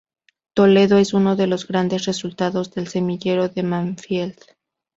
Toledo es uno de los grandes resultados del semillero de Banfield.